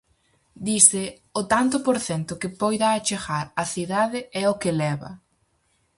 Dise: "O tanto por cento que poida achegar á cidade é o que leva".